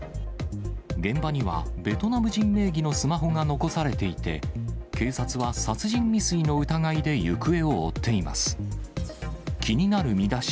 現場にはベトナム人名義のスマホが残されていて、警察は殺人未遂の疑いで行方を追っています。